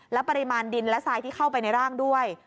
และปริมาณดินและทรายที่เข้าไปในร่างด้วย